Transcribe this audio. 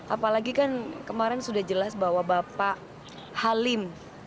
apalagi kan kemarin sudah jelas bahwa bapak halim